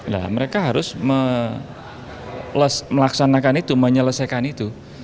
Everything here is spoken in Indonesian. nah mereka harus melaksanakan itu menyelesaikan itu